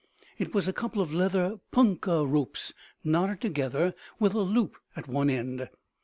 It was a couple of leather punkah ropes knotted together, with a loop at one end.